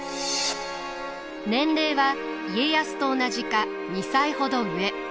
年齢は家康と同じか２歳ほど上。